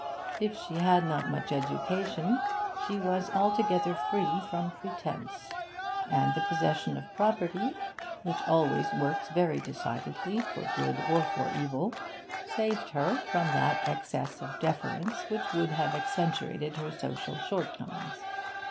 If she had not much education, she was altogether free from pretence, and the possession of property (which always works very decidedly for good or for evil) saved her from that excess of deference which would have accentuated her social shortcomings.